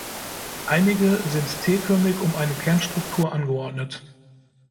Einige sind T-förmig um eine Kernstruktur angeordnet.